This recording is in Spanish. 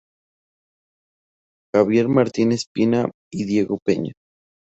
Javier Martínez-Pinna y Diego Peña.